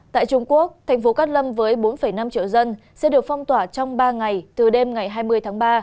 tại trung quốc thành phố cát lâm với bốn năm triệu dân sẽ được phong tỏa trong ba ngày từ đêm ngày hai mươi tháng ba